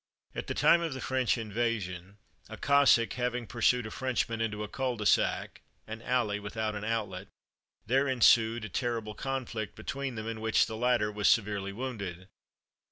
At the time of the French invasion, a Cossack having pursued a Frenchman into a cul de sac—an alley without an outlet—there ensued a terrible conflict between them, in which the latter was severely wounded.